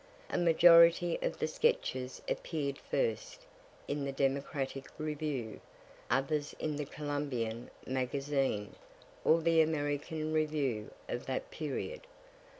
A majority of the sketches appear'd first in the "Democratic Review," others in the "Columbian Magazine," or the "American Review," of that period.